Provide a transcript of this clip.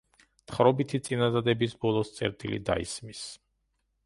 თხრობითი წინადადების ბოლოს წერტილი დაისმის.